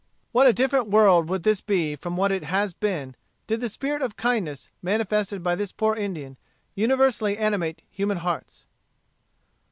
What a different world would this be from what it has been, did the spirit of kindness, manifested by this poor Indian, universally animate human hearts!